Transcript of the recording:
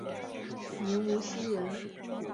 明无锡人。